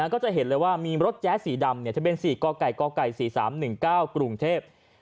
ก็จะเห็นเลยว่ามีรถแจ๊สสีดำทะเบียน๔กก๔๓๑๙กรุงเทพ